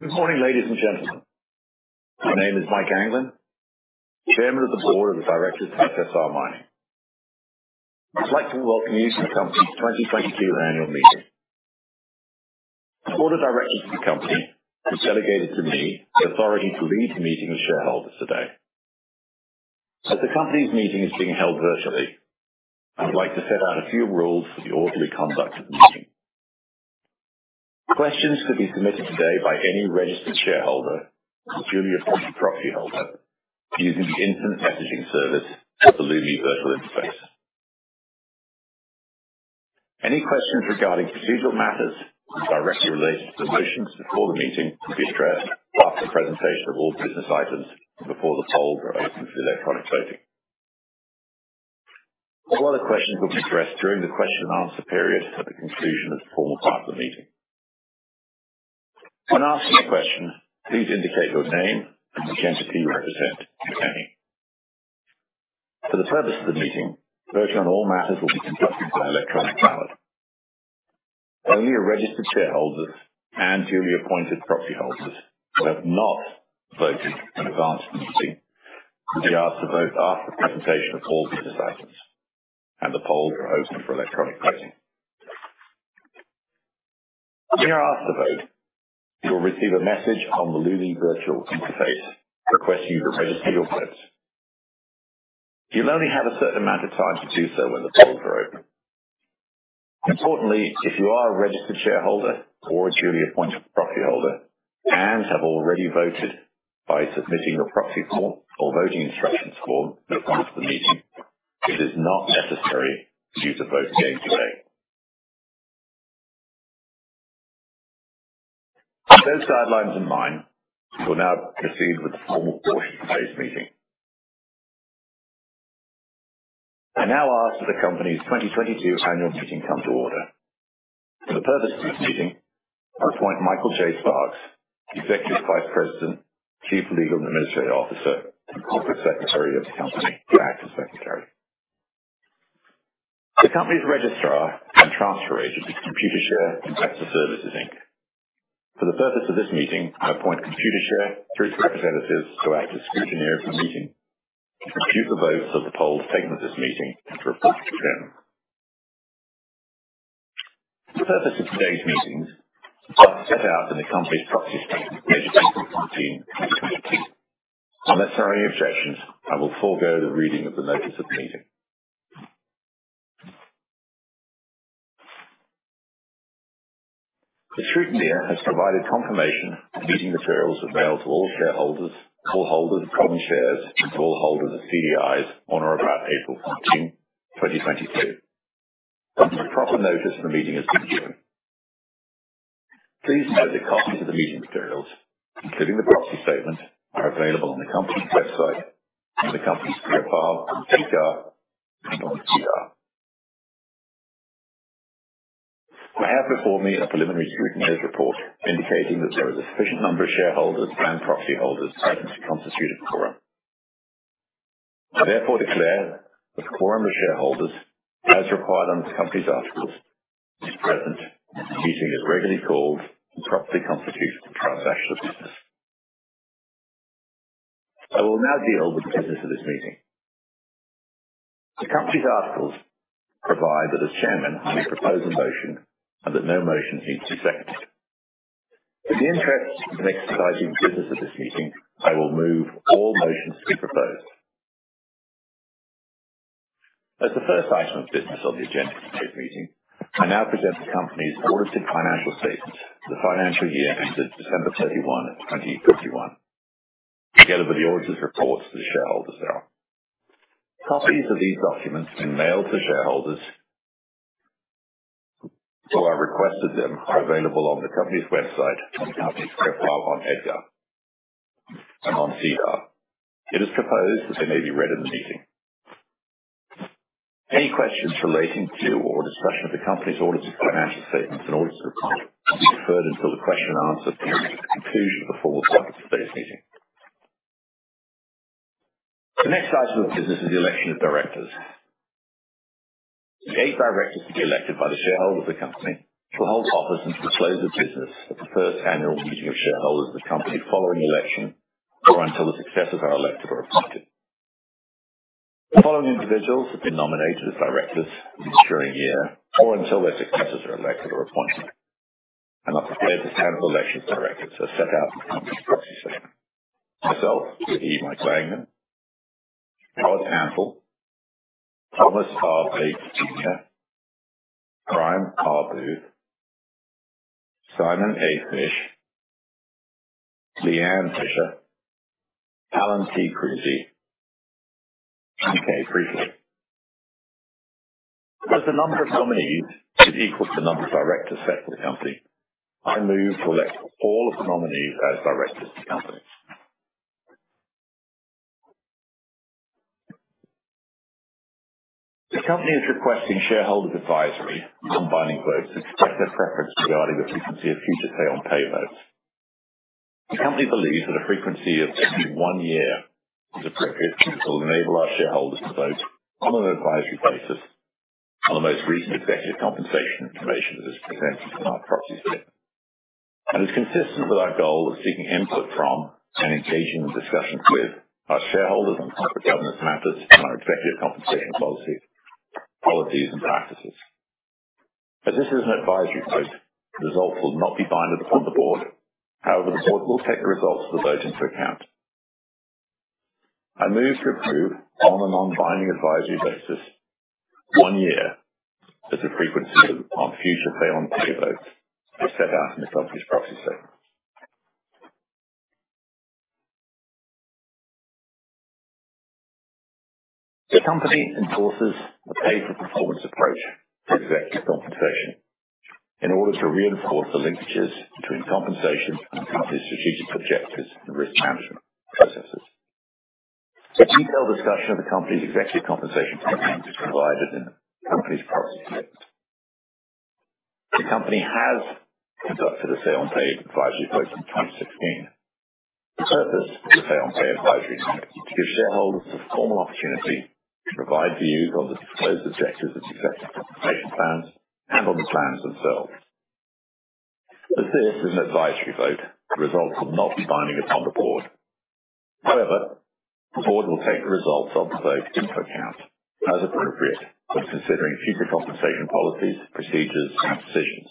Good morning, ladies and gentlemen. My name is Mike Anglin, Chairman of the board of directors of SSR Mining. I'd like to welcome you to the company's 2022 annual meeting. The board of directors of the company has delegated to me the authority to lead the meeting of shareholders today. As the company's meeting is being held virtually, I would like to set out a few rules for the orderly conduct of the meeting. Questions could be submitted today by any registered shareholder or duly appointed proxy holder using the instant messaging service at the Lumi virtual interface. Any questions regarding procedural matters directly related to the motions before the meeting will be addressed after presentation of all business items before the polls are open for electronic voting. A lot of questions will be addressed during the question and answer period at the conclusion of the formal part of the meeting. When asking a question, please indicate your name and which entity you represent, if any. For the purpose of the meeting, a vote on all matters will be conducted by electronic ballot. Only registered shareholders and duly appointed proxy holders who have not voted in advance of the meeting will be asked to vote after the presentation of all business items, and the polls are open for electronic voting. When you're asked to vote, you will receive a message on the Lumi virtual interface requesting you to register your vote. You'll only have a certain amount of time to do so when the polls are open. Importantly, if you are a registered shareholder or a duly appointed proxy holder and have already voted by submitting your proxy form or voting instructions form in advance of the meeting, it is not necessary for you to vote again today. With those guidelines in mind, we'll now proceed with the formal portion of today's meeting. I now ask that the company's 2022 annual meeting come to order. For the purpose of this meeting, I appoint Michael J. Sparks, Executive Vice President, Chief Legal and Administrative Officer, and Corporate Secretary of the company to act as Secretary. The company's registrar and transfer agent is Computershare Investor Services Inc. For the purpose of this meeting, I appoint Computershare through its representatives to act as scrutineer of the meeting, to compute the votes of the polls taken at this meeting and to report to the chairman. For the purpose of today's meetings, I've set out in the company's proxy statement dated April 15, 2022. Unless there are any objections, I will forego the reading of the notice of the meeting. The scrutineer has provided confirmation that meeting materials were mailed to all shareholders, full holders of common shares, and to all holders of CDIs on or about April 15, 2022. Thus the proper notice of the meeting has been given. Please note the copies of the meeting materials, including the proxy statement, are available on the company's website and the company's profile on EDGAR and on SEDAR. I have before me a preliminary scrutineer's report indicating that there is a sufficient number of shareholders and proxy holders present to constitute a quorum. I therefore declare that the quorum of shareholders, as required under the company's articles, is present, and the meeting is regularly called and properly constituted to transact business. I will now deal with the business of this meeting. The company's articles provide that as chairman I may propose a motion and that no motion needs a second. In the interest of exercising the business of this meeting, I will move all motions to be proposed. As the first item of business on the agenda for today's meeting, I now present the company's audited financial statements for the financial year ended December 31, 2021, together with the auditor's reports to the shareholders thereof. Copies of these documents have been mailed to shareholders. If requested, they are available on the company's website and the company's profile on EDGAR and on SEDAR. It is proposed that they may be read at the meeting. Any questions relating to or discussion of the company's audited financial statements in order to respond will be deferred until the question and answer period at the conclusion of the formal business meeting. The next item of business is the election of directors. The eight directors to be elected by the shareholders of the company will hold office until the close of business at the first annual meeting of shareholders of the company following the election or until the successors are elected or appointed. The following individuals have been nominated as directors for the year or until their successors are elected or appointed. I present this annual election of directors as set out in the company's proxy statement. Myself, Michael Anglin, Howard Hamel, Thomas R. Bates, Jr., Brian Arbou, Simon Fish, Leigh Ann Fisher, Alan T. Creasey. Creasey, and Kay Breeden. As the number of nominees is equal to the number of directors set for the company, I move to elect all of the nominees as directors to the company. The company is requesting shareholders advisory on binding votes to express their preference regarding the frequency of future say on pay votes. The company believes that a frequency of every one year is appropriate and will enable our shareholders to vote on an advisory basis on the most recent executive compensation information that is presented in our proxy statement. It's consistent with our goal of seeking input from and engaging in discussions with our shareholders on corporate governance matters and our executive compensation policy, policies, and practices. As this is an advisory vote, the results will not be binding upon the board. However, the board will take the results of the voting into account. I move to approve on a non-binding advisory basis one year as the frequency of our future say on pay votes as set out in the company's proxy statement. The company enforces a pay-for-performance approach to executive compensation in order to reinforce the linkages between compensation and the company's strategic objectives and risk management processes. A detailed discussion of the company's executive compensation programs is provided in the company's proxy statement. The company has conducted a say on pay advisory vote since 2016. The purpose of the say on pay advisory vote is to give shareholders the formal opportunity to provide views on the disclosed objectives of executive compensation plans and on the plans themselves. As this is an advisory vote, the results will not be binding upon the board. However, the board will take the results of the vote into account as appropriate when considering future compensation policies, procedures, and decisions,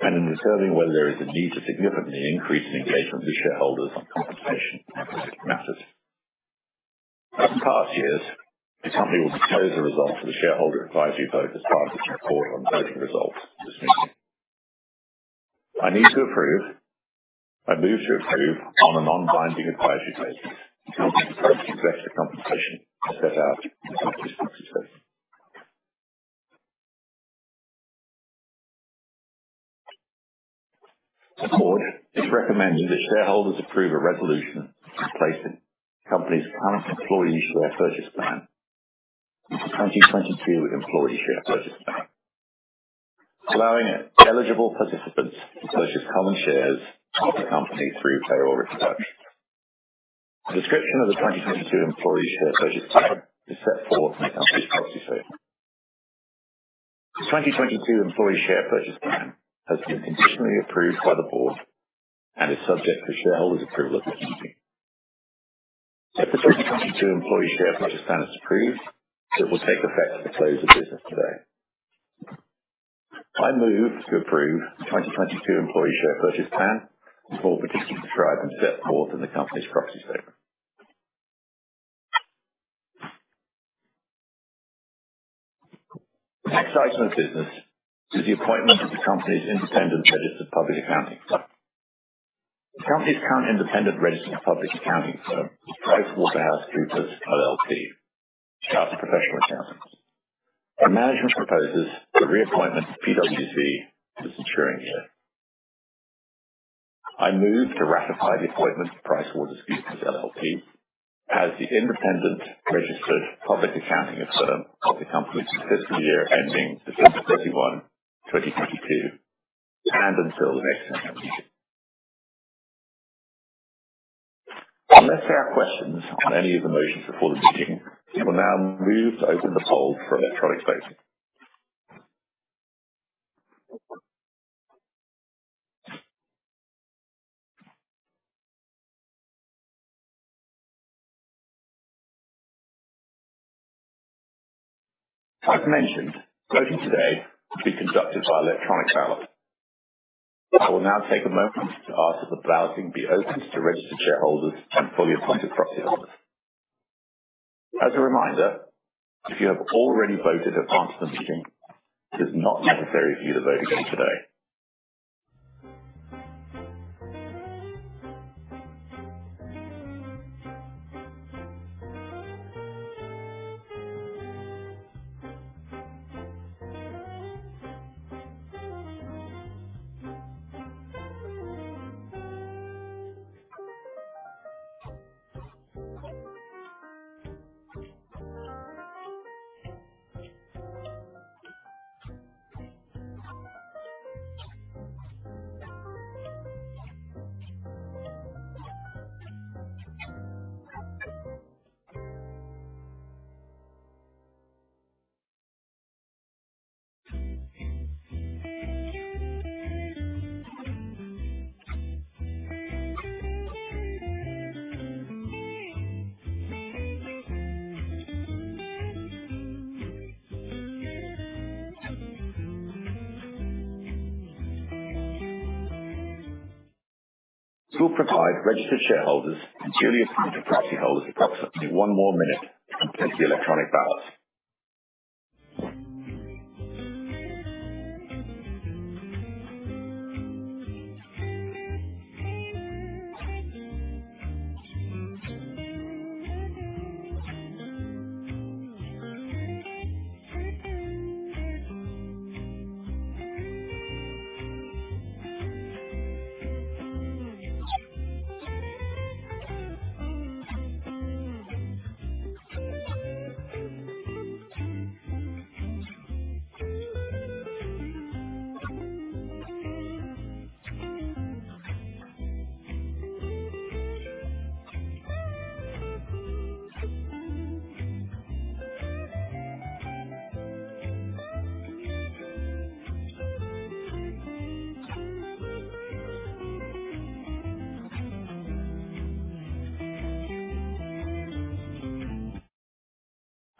and in determining whether there is a need to significantly increase engagement with shareholders on compensation and governance matters. As in past years, the company will disclose the results of the shareholder advisory vote as part of its report on voting results this meeting. I need to approve. I move to approve on a non-binding advisory basis the company's executive compensation as set out in the company's proxy statement. The board is recommending that shareholders approve a resolution replacing the company's current employee share purchase plan with the 2022 employee share purchase plan, allowing eligible participants to purchase common shares of the company through payroll deduction. A description of the 2022 employee share purchase plan is set forth in the company's proxy statement. The 2022 employee share purchase plan has been conditionally approved by the board and is subject to shareholder approval at this meeting. If the 2022 employee share purchase plan is approved, it will take effect at the close of business today. I move to approve the 2022 employee share purchase plan as more particularly described and set forth in the company's proxy statement. Next item of business is the appointment of the company's independent registered public accounting firm. The company's current independent registered public accounting firm is PricewaterhouseCoopers LLP, Chartered Professional Accountants, and management proposes the reappointment of PwC for this ensuing year. I move to ratify the appointment of PricewaterhouseCoopers LLP as the independent registered public accounting firm of the company for the fiscal year ending December 31, 2022, and until the next AGM. Unless there are questions on any of the motions before the meeting, we will now move to open the poll for electronic voting. As mentioned, voting today will be conducted by electronic ballot. I will now take a moment to ask that the balloting be opened to registered shareholders and fully appointed proxy holders. As a reminder, if you have already voted at the onset of the meeting, it is not necessary for you to vote again today. We will provide registered shareholders and duly appointed proxy holders approximately one more minute to complete the electronic ballots.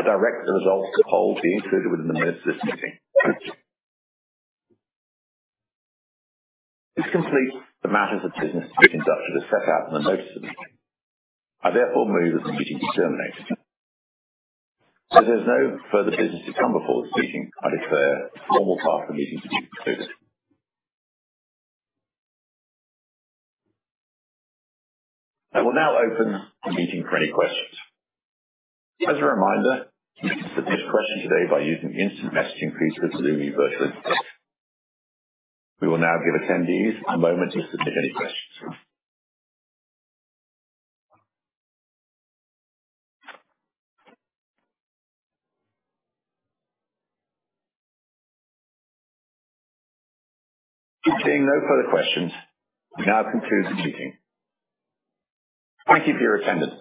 I direct the results of the poll be included within the minutes of this meeting. This completes the matters of business to be conducted as set out in the notice of the meeting. I therefore move that the meeting be terminated. As there's no further business to come before this meeting, I declare the formal part of the meeting to be concluded. I will now open the meeting for any questions. As a reminder, you can submit a question today by using the instant messaging feature to the universal text. We will now give attendees a moment to submit any questions. Seeing no further questions, we now conclude this meeting. Thank you for your attendance.